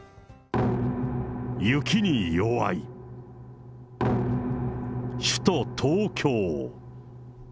雪に弱い首都、東京。